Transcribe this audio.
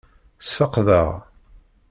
Sfeqdeɣ.